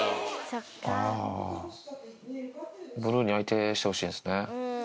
ああ、ブルーに相手してほしいんですね。